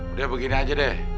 udah begini aja deh